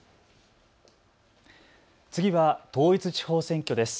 次は統一地方選挙です。